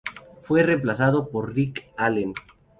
Fue reemplazado por Rick Allen.